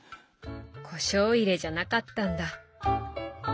こしょう入れじゃなかったんだ。